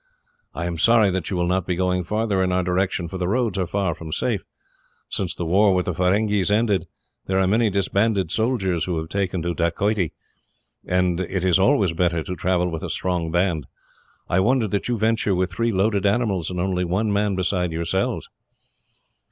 I am sorry that you will not be going farther in our direction, for the roads are far from safe. Since the war with the Feringhees ended, there are many disbanded soldiers who have taken to dacoity, and it is always better to travel with a strong band. I wonder that you venture with three loaded animals, and only one man beside yourselves."